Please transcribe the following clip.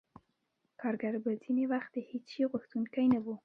کارګر به ځینې وخت د هېڅ شي غوښتونکی نه وو